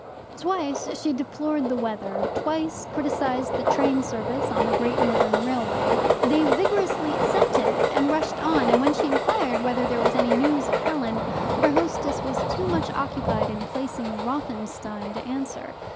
Twice she deplored the weather, twice criticized the train service on the Great Northern Railway. They vigorously assented, and rushed on, and when she inquired whether there was any news of Helen, her hostess was too much occupied in placing Rothenstein to answer.